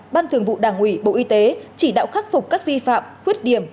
ban thường vụ đảng ủy bộ y tế chỉ đạo khắc phục các vi phạm khuyết điểm